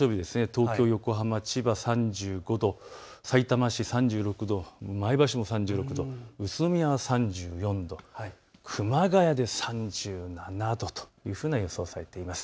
東京、横浜、千葉３５度、さいたま市３６度、前橋も３６度、宇都宮は３４度、熊谷で３７度というふうな予想がされています。